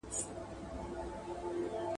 زه پرون سندري وايم؟!